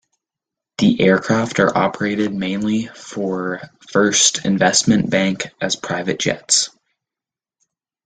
The aircraft are operated mainly for First Investment Bank as private jets.